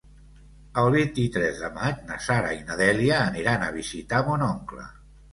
El vint-i-tres de maig na Sara i na Dèlia aniran a visitar mon oncle.